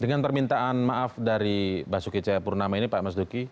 dengan permintaan maaf dari basuki cahayapurnama ini pak mas duki